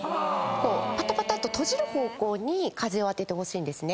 ぱたぱたと閉じる方向に風を当ててほしいんですね。